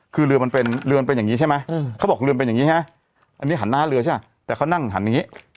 คือเรือมันเป็นเรือนเป็นอย่างนี้ใช่ไหมเขาบอกเรือนเป็นอย่างนี้ไงอันนี้หันหน้าเรือใช่ป่ะแต่เขานั่งหันอย่างนี้